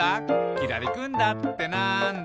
「きらりくんだってなんだ？」